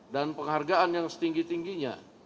dan penghargaan yang setinggi tingginya